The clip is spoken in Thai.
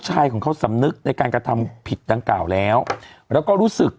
ชายของเขาสำนึกในการกระทำผิดดังกล่าวแล้วแล้วก็รู้สึก